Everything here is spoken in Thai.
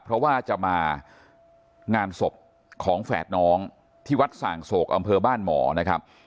เพราะว่าจะมางานศพของแฝดน้องที่วัดส่างโศกอำเภอบ้านหมอนะครับ